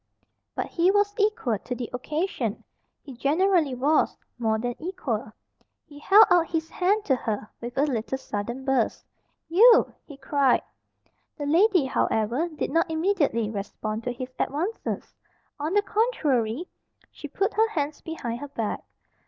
But he was equal to the occasion. He generally was more than equal. He held out his hand to her with a little sudden burst. "You!" he cried. The lady, however, did not immediately respond to his advances. On the contrary, she put her hands behind her back.